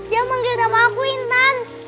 dia manggil nama aku intan